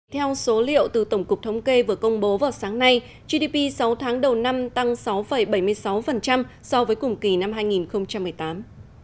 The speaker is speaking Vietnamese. theo số liệu từ tổng cục thống kê vừa công bố vào sáng nay gdp sáu tháng đầu năm tăng sáu bảy mươi sáu so với cùng kỳ năm hai nghìn một mươi tám